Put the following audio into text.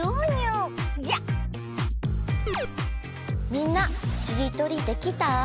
みんなしりとりできた？